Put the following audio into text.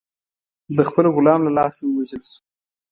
د خپل غلام له لاسه ووژل شو.